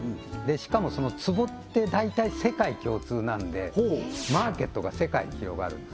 しかもそのツボって大体世界共通なんでマーケットが世界に広がるんです